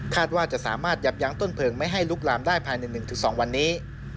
ว่าจะสามารถยับยั้งต้นเพลิงไม่ให้ลุกลามได้ภายใน๑๒วันนี้